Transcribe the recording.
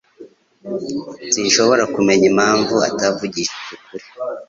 Sinshobora kumenya impamvu atavugishije ukuri